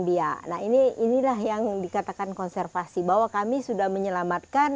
nah inilah yang dikatakan konservasi bahwa kami sudah menyelamatkan